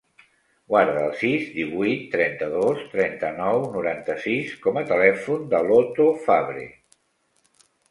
Guarda el sis, divuit, trenta-dos, trenta-nou, noranta-sis com a telèfon de l'Oto Fabre.